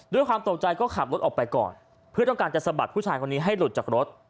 ด้วยความตกใจก็ขับรถออกไปก่อนเพื่อต้องการจะสะบัดผู้ชายคนนี้ให้หลุดจากรถ